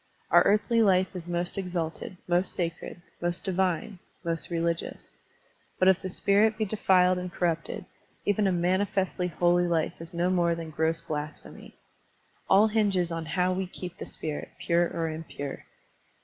Our earthly life is most exalted, most sacred, most divine, most religious. But if the spirit be defiled and corrupted, even a manifestly holy life is no more than gross blasphemy. All hinges on how we keep the spirit, pure or impure.